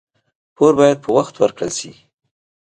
پور باید په وخت ورکړل شي.